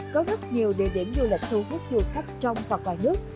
có rất nhiều địa điểm du lịch thu hút du khách trong và ngoài nước